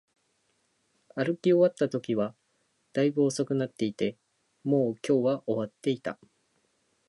歩き終わったときは、大分遅くなっていて、もう今日は終わっていた